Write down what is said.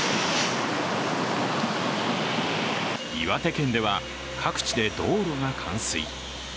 岩手県では各地で道路が冠水。